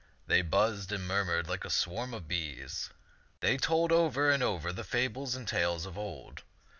They buzzed and murmured like a swarm of bees. They told over and over the fables and tales of old.